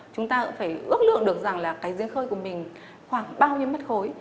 chúng ta cũng phải ước lượng được rằng là cái giếng khơi của mình khoảng bao nhiêu mất khối